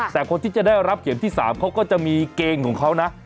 แต่คนที่จะได้รับเข็มที่๓เขาก็จะมีเกณฑ์ของเขานะ